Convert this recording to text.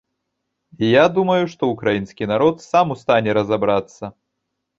Я думаю, што ўкраінскі народ сам у стане разабрацца.